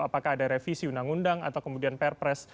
apakah ada revisi undang undang atau kemudian pr press